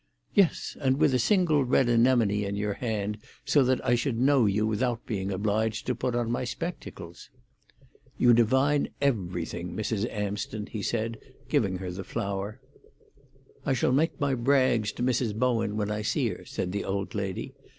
"Yes, and with a single red anemone in your hand, so that I should know you without being obliged to put on my spectacles." "You divine everything, Mrs. Amsden," he said, giving her the flower. "I shall make my brags to Mrs. Bowen when I see her," said the old lady.